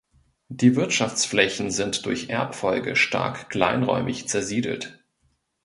Die Wirtschaftsflächen sind durch Erbfolge stark kleinräumig zersiedelt.